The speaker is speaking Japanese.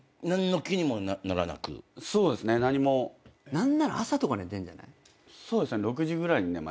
何なら朝とか寝てんじゃない？